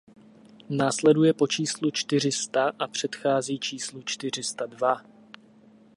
Následuje po číslu čtyři sta a předchází číslu čtyři sta dva.